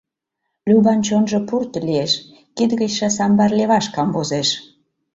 Любан чонжо пурт лиеш, кид гычше самбар леваш камвозеш.